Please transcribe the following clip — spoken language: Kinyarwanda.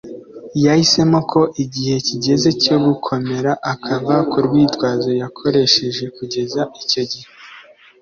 Yahisemo ko igihe kigeze cyo gukomera akava k’ urwitwazo yakoresheje kugeza icyo gihe.